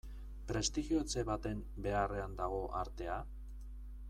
Prestigiotze baten beharrean dago artea?